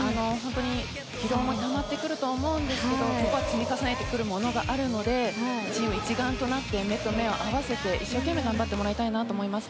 疲労もたまってくると思うんですけど積み重なってくるものがあると思うのでチーム一丸となって目と目を合わせて一生懸命頑張ってもらいたいと思います。